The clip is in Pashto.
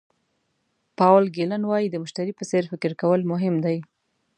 پاول ګیلن وایي د مشتري په څېر فکر کول مهم دي.